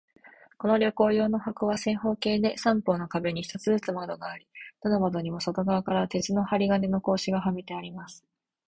この旅行用の箱は、正方形で、三方の壁に一つずつ窓があり、どの窓にも外側から鉄の針金の格子がはめてあります。